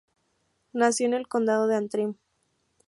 Nació en el Condado de Antrim.